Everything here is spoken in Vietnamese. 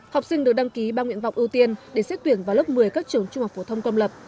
học sinh được đăng ký ba nguyện vọng ưu tiên để xét tuyển vào lớp một mươi các trường trung học phổ thông công lập